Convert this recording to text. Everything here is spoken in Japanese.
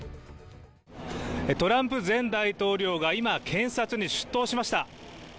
トランプ前大統領が今、検察に出頭しました。